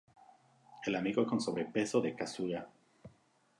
El amigo con sobrepeso de Kasuga.